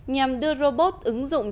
nhằm đưa robot ứng dụng